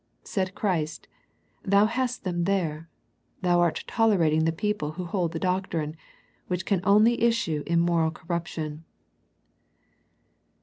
Said Christ, Thou hast them there. Thou art tolerating the people who hold the doctrine, which can only issue in moral corruption.